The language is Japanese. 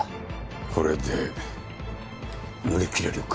これで乗り切れるか？